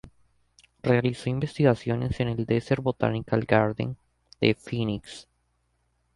Realizó investigaciones en el Desert Botanical Garden, de Phoenix.